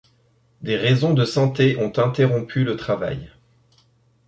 Des raisons de santé ont interrompu le travail.